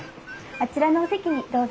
あちらのお席にどうぞ。